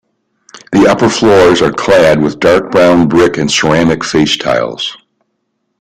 The upper floors are clad with dark brown brick and ceramic face tiles.